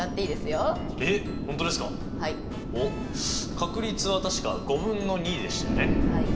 確率は確か５分の２でしたよね。はい。